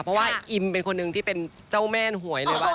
เพราะว่าอิมเป็นคนหนึ่งที่เป็นเจ้าแม่นหวยเลยว่า